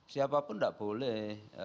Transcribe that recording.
siapapun tidak boleh